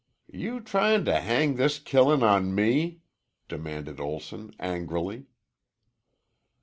"You tryin' to hang this killin' on me?" demanded Olson angrily.